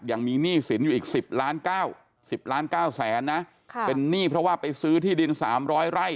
ยังมีหนี้สินอยู่อีก๑๐ล้าน๙๐ล้าน๙แสนนะเป็นหนี้เพราะว่าไปซื้อที่ดิน๓๐๐ไร่